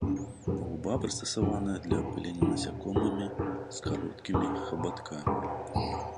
Губа прыстасаваная для апылення насякомымі з кароткімі хабаткамі.